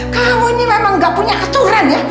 kamu ini memang gak punya aturan ya